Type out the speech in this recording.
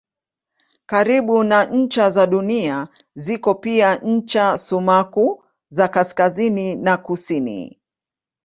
Karibu na ncha za Dunia ziko pia ncha sumaku za kaskazini na kusini.